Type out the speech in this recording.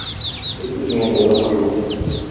Үз-үзеңә бәя кую.